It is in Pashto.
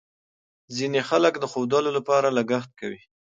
ځینې خلک د ښودلو لپاره لګښت کوي.